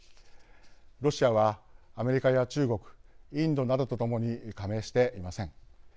ロシアはアメリカや中国インドなどと共に加盟していません。